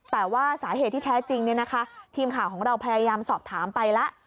แต่ว่าสาเหตุที่แท้จริงทีมข่าวของเราพยายามสอบถามไปแล้ว